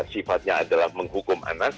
sifatnya adalah menghukum anak